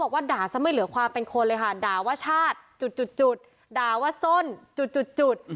ว่าด่าซะไม่เหลือความเป็นคนเลยค่ะด่าว่าชาติจุดด่าว่าส้นจุด